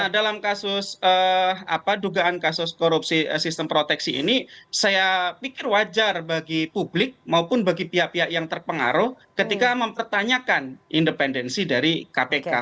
dalam kasus dugaan kasus korupsi sistem proteksi ini saya pikir wajar bagi publik maupun bagi pihak pihak yang terpengaruh ketika mempertanyakan independensi dari kpk